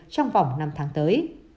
trong vòng năm tháng tới